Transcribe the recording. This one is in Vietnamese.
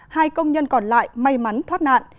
hai công nhân còn lại may mắn thoát nạn